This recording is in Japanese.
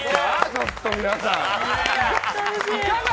ちょっと皆さん。